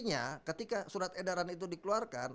artinya ketika surat edaran itu dikeluarkan